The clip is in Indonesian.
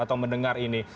atau mendengar ini